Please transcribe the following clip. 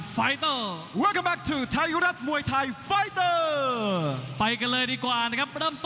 ฟอร์เมอร์โดยเอ็ดโพวิ้นซ์